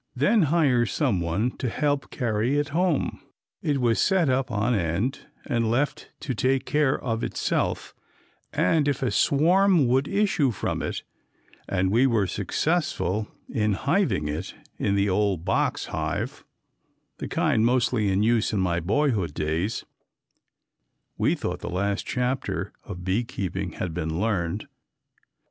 Then hire someone to help carry it home. It was set up on end and left to take care of itself and if a swarm would issue from it and we were successful in hiving it in the old box hive (the kind mostly in use in my boyhood days), we thought the last chapter of bee keeping had been learned.